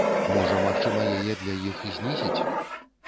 Можа магчыма яе для іх знізіць?